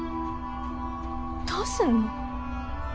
どうすんの？